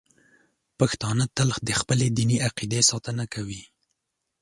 پښتانه تل د خپلې دیني عقیدې ساتنه کوي.